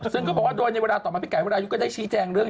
ซึ่งก็บอกว่าโดยในเวลาต่อมาพี่ไก่วรายุทธ์ก็ได้ชี้แจงเรื่อง